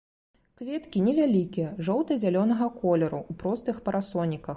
Кветкі невялікія, жоўта-зялёнага колеру, у простых парасоніках.